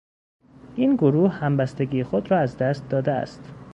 این گروه همبستگی خود را از دست داده است.